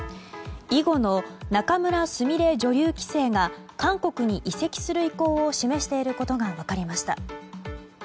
囲碁の仲邑菫女流棋聖が韓国に移籍する意向を示していることが分かりました。